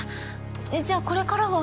えっじゃあこれからは？